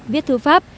viết thư pháp